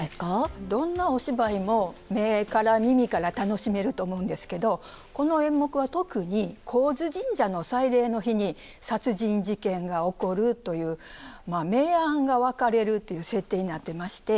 どんなお芝居も目から耳から楽しめると思うんですけどこの演目は特に高津神社の祭礼の日に殺人事件が起こるというまあ明暗が分かれるっていう設定になってまして。